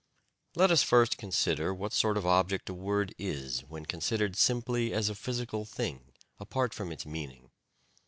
Let us first consider what sort of object a word is when considered simply as a physical thing, apart from its meaning.